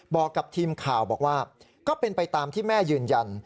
บอกกับทีมข่าวบอกว่าก็เป็นไปตามที่แม่ยืนยัน